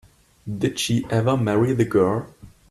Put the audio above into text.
Did she ever marry the girl?